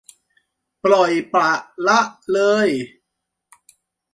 ปล่อยปละละเลย